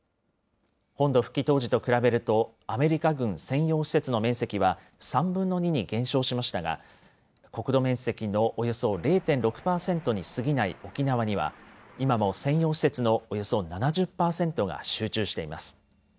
本土復帰当時と比べると、アメリカ軍専用施設の面積は３分の２に減少しましたが、国土面積のおよそ０．６％にすぎない沖縄には、今も専用施設のおよそ７０％が集中しています。